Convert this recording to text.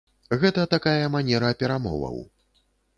Гэта такая манера перамоваў.